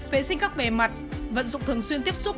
vệ sinh các bề mặt vận dụng thường xuyên tiếp xúc